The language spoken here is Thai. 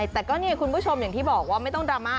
แต่ก็เนี่ยคุณผู้ชมอย่างที่บอกว่าไม่ต้องดราม่า